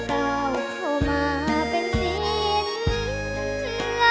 เพื่อก้าวเข้ามาเป็นศิลปิตร